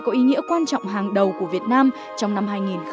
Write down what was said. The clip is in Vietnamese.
có ý nghĩa quan trọng hàng đầu của việt nam trong năm hai nghìn một mươi chín